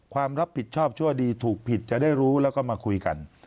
ความรับผิดชอบชั่วดีถูกผิดจะได้รู้แล้วก็มาคุยกัน